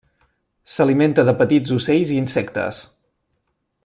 S'alimenta de petits ocells i insectes.